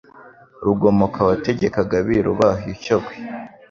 Rugomoka wategekaga abiru baho i Shyogwe,